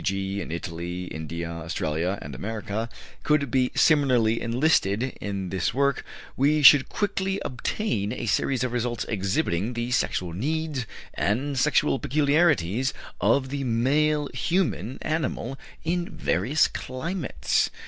g., in Italy, India, Australia, and America could be similarly enlisted in this work, we should quickly obtain a series of results exhibiting the sexual needs and sexual peculiarities of the male human animal in various climates.